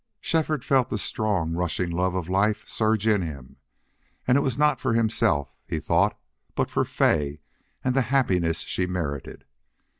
Shefford felt the strong, rushing love of life surge in him, and it was not for himself he thought, but for Fay and the happiness she merited.